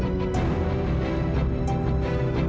siapa juga yang pengen kakak sakit